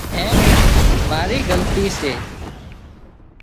آنئين مان مارِي غلطي سي